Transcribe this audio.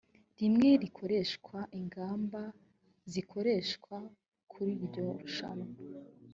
rimwe rikoreshwa ingamba zikoreshwa kuri iryo rushanwa